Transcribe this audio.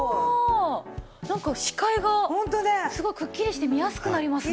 なんか視界がすごいくっきりして見やすくなりますね。